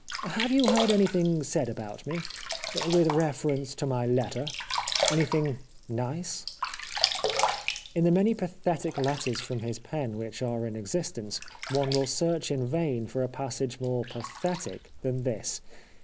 " Have you heard any thing said about me, with reference to my letter ? Anything nice ?" In the many pathetic letters from his pen which are in exist ence, one will search in vain for a passage more pathetic than this.